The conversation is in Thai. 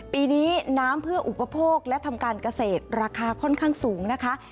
ปีนี้น้ำเพื่ออุปโภคและทำการเกษตรราคาค่อนข้างสูงนะคะ